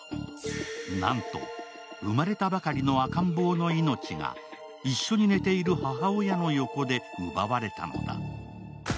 なんと生まれたばかりの赤ん坊の命が一緒に寝ている母親の横で奪われたのだ。